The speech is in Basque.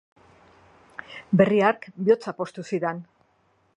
Berri hark bihotza poztu zidan.